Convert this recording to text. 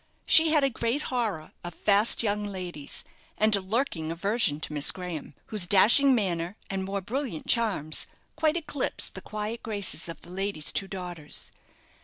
She had a great horror of fast young ladies, and a lurking aversion to Miss Graham, whose dashing manner and more brilliant charms quite eclipsed the quiet graces of the lady's two daughters.